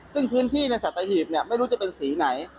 ซึ่งพื้นที่ในสัตหีบไม่รู้จะเป็นสีไหน